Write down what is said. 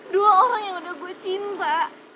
dua orang yang udah gue cinta